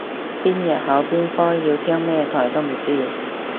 邊日考邊科要聽咩台都唔知